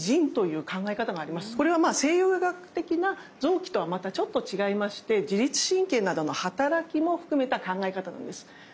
これはまあ西洋医学的な臓器とはまたちょっと違いまして自律神経などのはたらきも含めた考え方なんです。